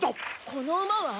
この馬は？